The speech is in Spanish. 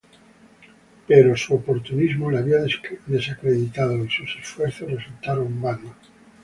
Pero su oportunismo le había desacreditado y sus esfuerzos resultaron vanos.